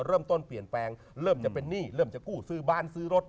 เริ่มต้นเปลี่ยนแปลงเริ่มจะเป็นหนี้เริ่มจะกู้ซื้อบ้านซื้อรถ